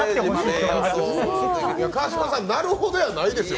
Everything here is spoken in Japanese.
川島さん、なるほどやないんですよ。